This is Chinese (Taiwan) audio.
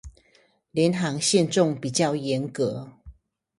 廉航限重比較嚴格